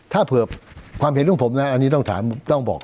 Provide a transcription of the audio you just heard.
ถ้าเผื่อความเห็นของผมนะอันนี้ต้องถามต้องบอก